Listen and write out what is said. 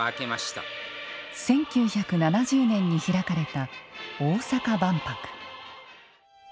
１９７０年に開かれた大阪万博。